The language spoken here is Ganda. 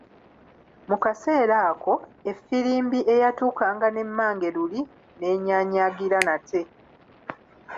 Mu kaseera ako effirimbi eyatukanga ne mmange luli n'enyaanyaagira nate.